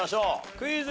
クイズ。